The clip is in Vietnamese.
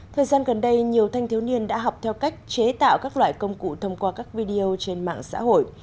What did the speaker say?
thời gian gần đây nhiều thanh thiếu niên đã học theo cách chế tạo các loại công cụ thông qua các video trên mạng xã hội